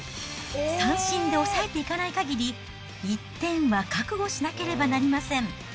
三振で抑えていかないかぎり、１点は覚悟しなければなりません。